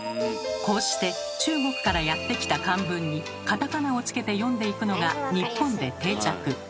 こうして中国からやって来た漢文にカタカナをつけて読んでいくのが日本で定着。